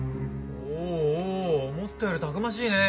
おおおお思ったよりたくましいねえ。